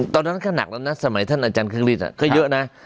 ตอนนั้นก็หนักแล้วนะสมัยท่านอาจารย์เครื่องฤทธิก็เยอะนะ